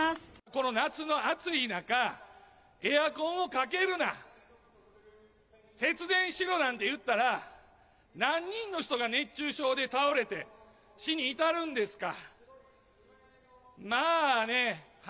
この夏の暑い中、エアコンをかけるな、節電しろなんて言ったら、何人の人がねっちゅうしょうでたおれて、死に至るんですか。